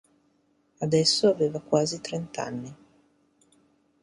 Adesso aveva quasi trent'anni.